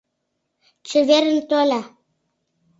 Чеверын, Толя!